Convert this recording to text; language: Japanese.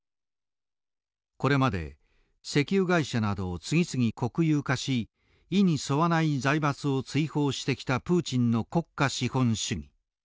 これまで石油会社などを次々国有化し意に沿わない財閥を追放してきたプーチンの国家資本主義。